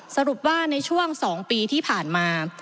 สรุปว่าในช่วง๒ปีที่ผ่านมา